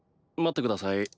待ってください。